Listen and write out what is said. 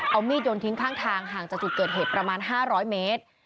เอามีดยนต์ทิ้งข้างทางห่างจากจุดเกิดเหตุประมาณ๕๐๐เมตร